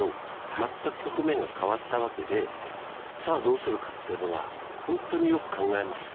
全く局面が変わったわけで、さあ、どうするかっていうのは、本当によく考えます。